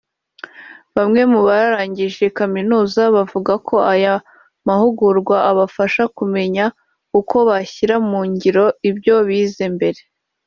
Bamwe mu barangije kaminuza bavuga ko aya mahugurwa abafasha kumenya uko bashyira mu ngiro ibyo bize mbere